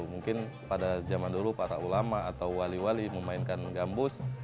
mungkin pada zaman dulu para ulama atau wali wali memainkan gambus